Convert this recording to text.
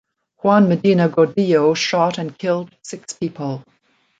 Juan Medina Gordillo shot and killed six people.